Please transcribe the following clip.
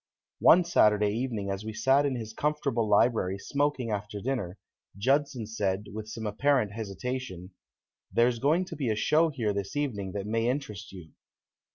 One Saturday evening as we sat in his comfortable library smoking after dinner, Judson said, with some apparent hesitation: "There's going to be a show here this evening that may interest you."